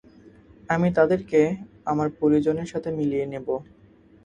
আমি তাদেরকে আমার পরিজনের সাথে মিলিয়ে নিব।